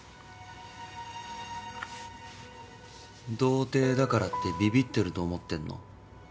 童貞だからってびびってると思ってんの？